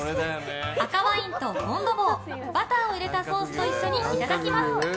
赤ワインとフォンドボーバターを入れたソースと一緒にいただきます。